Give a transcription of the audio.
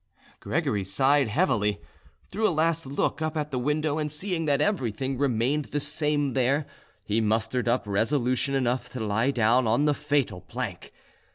Gregory sighed heavily, threw a last look up at the window, and seeing that everything remained the same there, he mustered up resolution enough to lie down on the fatal plank.